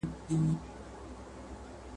پېریانو ته کوه قاف څشي دی؟ ..